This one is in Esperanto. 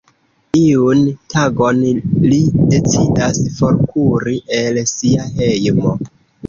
Iun tagon li decidas forkuri el sia hejmo.